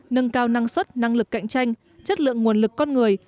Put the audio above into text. nâng cao năng suất năng lực cạnh tranh chất lượng nguồn lực con người